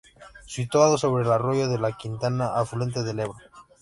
Situado sobre el arroyo de la Quintana, afluente del Ebro.